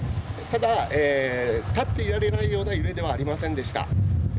ただ、立っていられないような揺れではありませんでした。